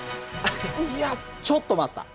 いやちょっと待った。